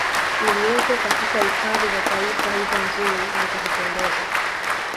Iliyopo katika hifadhi za Taifa hizo nzuri na za kupendeza